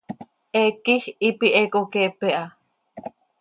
Heec quij hipi he coqueepe ha.